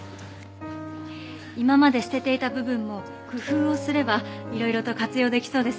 今まで捨てていた部分も工夫をすればいろいろと活用できそうですね。